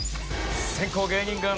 先攻芸人軍。